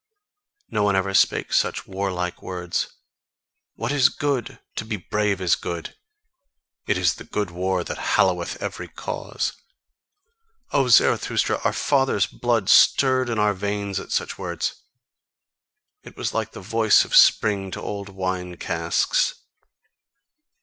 No one ever spake such warlike words: 'What is good? To be brave is good. It is the good war that halloweth every cause.' O Zarathustra, our fathers' blood stirred in our veins at such words: it was like the voice of spring to old wine casks.